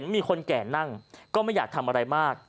มีคนแก่นั่งก็ไม่อยากทำอะไรมาก